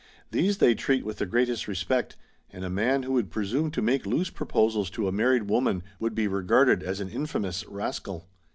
These they treat with the greatest respect, and a man who should presume to make loose proposals to a married woman would be regarded as an infamous rascal.